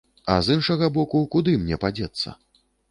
А з іншага боку, куды мне падзецца?